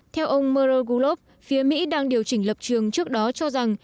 theo ông morogulov phía mỹ đang điều chỉnh lập trường trước đó cho rằng